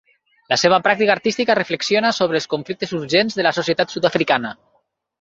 La seva pràctica artística reflexiona sobre els conflictes urgents de la societat sud-africana.